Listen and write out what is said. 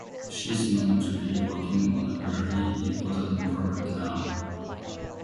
She is known to be working on a very important problem now.